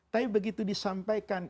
tapi begitu disampaikan